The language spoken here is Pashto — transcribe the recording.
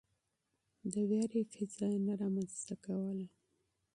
د وېرې فضا يې نه رامنځته کوله.